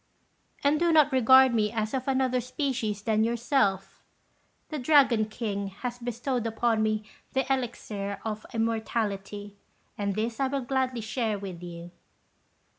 And do not regard me as of another species than yourself; the Dragon King has bestowed upon me the elixir of immortality, and this I will gladly share with you."